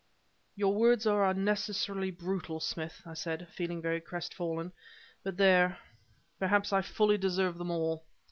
"Your words are unnecessarily brutal, Smith," I said, feeling very crestfallen, "but there perhaps I fully deserve them all."